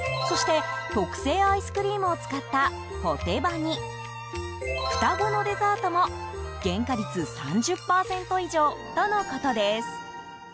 そして特製アイスクリームを使ったポテバニ、ふたごのデザートも原価率３０％以上とのことです。